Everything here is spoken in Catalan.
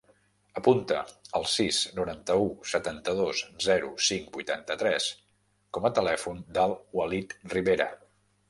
Apunta el sis, noranta-u, setanta-dos, zero, cinc, vuitanta-tres com a telèfon del Walid Ribera.